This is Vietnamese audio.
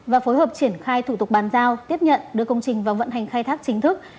và phối hợp triển khai thủ tục bàn giao tiếp nhận đưa công trình vào vận hành khai thác chính thức